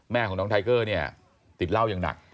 แม่ของน้องไทเกอร์เนี่ยติดเหล้าอย่างหนัก